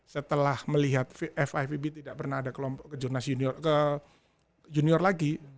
setelah melihat fivb tidak pernah ada kejurnas junior lagi